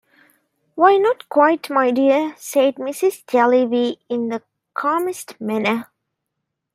"Why, not quite, my dear," said Mrs. Jellyby in the calmest manner.